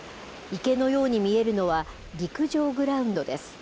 池のように見えるのは、陸上グラウンドです。